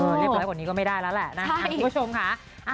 เรียบร้อยกว่านี้ก็ไม่ได้แล้วแหละนะคะคุณผู้ชมค่ะ